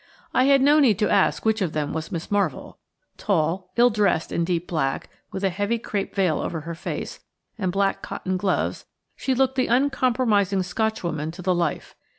I had no need to ask which of them was Miss Marvell. Tall, ill dressed in deep black, with a heavy crape veil over her face, and black cotton gloves, she looked the uncompromising Scotchwoman to the life.